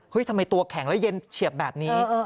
ทำไมตัวแข็งแล้วเย็นเฉียบแบบนี้